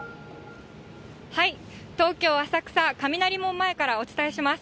東京・浅草、雷門前からお伝えします。